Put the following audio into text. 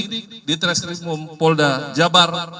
kami juga meminta tidak tertarik polda jabar